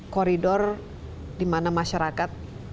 koridor di mana masyarakat